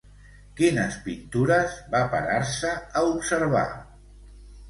Quines pintures va parar-se a observar?